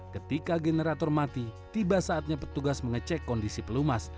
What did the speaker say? ketika generator mati tiba saatnya petugas mengecek kondisi pelumas